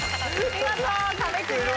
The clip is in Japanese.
見事壁クリアです。